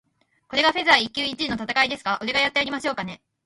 これがフェザー級一位の戦いですか？俺がやってやりましょうかね。